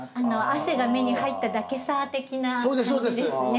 「汗が目に入っただけさ」的な感じですね。